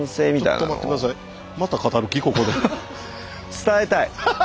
伝えたい。